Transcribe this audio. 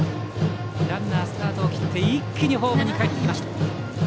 ランナースタートを切って一気にホームへかえってきました。